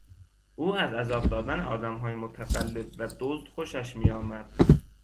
او از عذاب دادن آدمهای متقلب و دزد خوشش میآمد.